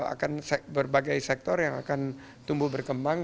akan berbagai sektor yang akan tumbuh berkembang